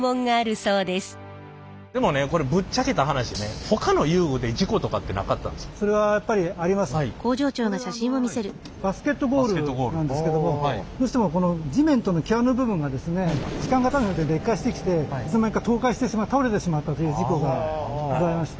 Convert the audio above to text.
それはこれあのバスケットゴールなんですけどもどうしてもこの地面との際の部分がですね時間がたつにつれて劣化してきていつの間にか倒壊してしまう倒れてしまったという事故がございまして。